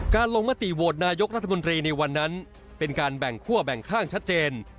ลงมติโหวตนายกรัฐมนตรีในวันนั้นเป็นการแบ่งคั่วแบ่งข้างชัดเจน